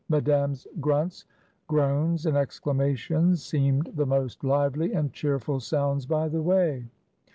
Madame's grunts, groans, and exclamations seemed the most lively and cheerful sounds by the way.